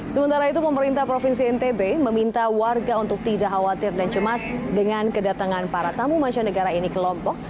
sementara itu pemerintah provinsi ntb meminta warga untuk tidak khawatir dan cemas dengan kedatangan para tamu masyarakat negara ini ke lombok